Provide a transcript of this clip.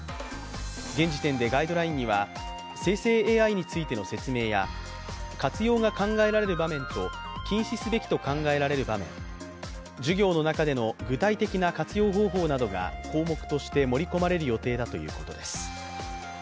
現時点でガイドラインには生成ＡＩについての説明や活用が考えられる場面と禁止すべきと考えられる場面、授業の中での具体的な活用方法などが項目として盛り込まれる予定だということです。